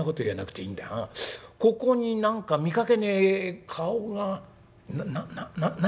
ここに何か見かけねえ顔がなな何？